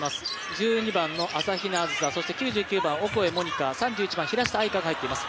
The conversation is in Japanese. １２番の朝比奈あずさ、９９番、オコエ桃仁花３１番、平下愛佳が入っています。